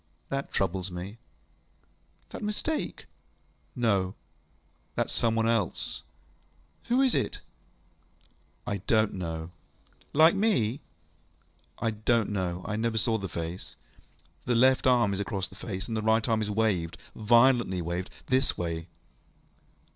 That troubles me. ŌĆØ ŌĆ£That mistake? ŌĆØ ŌĆ£No. That some one else. ŌĆØ ŌĆ£Who is it? ŌĆØ ŌĆ£I donŌĆÖt know. ŌĆØ ŌĆ£Like me? ŌĆØ ŌĆ£I donŌĆÖt know. I never saw the face. The left arm is across the face, and the right arm is waved, ŌĆöviolently waved. This way.